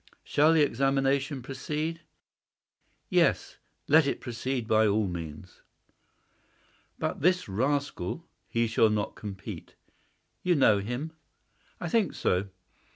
Shall the examination proceed?" "Yes; let it proceed by all means." "But this rascal——?" "He shall not compete." "You know him?" "I think so.